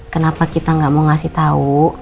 kenapa kita gak mau ngasih tau